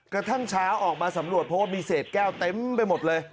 กระทั่งเช้าออกมาสำรวจเพราะว่ามีเศษแก้วเต็มไปหมดเลย